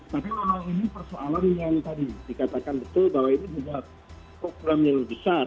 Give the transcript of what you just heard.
tapi memang ini persoalan yang tadi dikatakan betul bahwa ini juga program yang besar